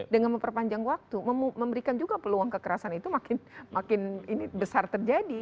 dengan memperpanjang waktu memberikan juga peluang kekerasan itu makin besar terjadi